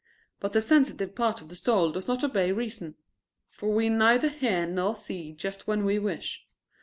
But the sensitive part of the soul does not obey reason: for we neither hear nor see just when we wish.